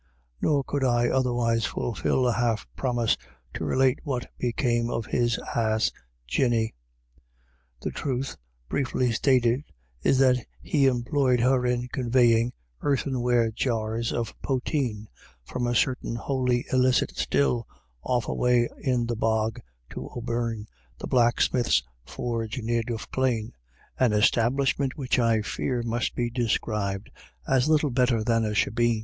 Nor could I otherwise fulfil a half promise to relate i what became of his ass Jinny. The truth, briefly ! stated, is that he employed her in conveying earthenware j^rs of potheen from a certain wholly illicit still off away in the bog to O'Beirne the blacksmith's forge near Duffclane, an establishment which I fear must be described as little better than a shebeen.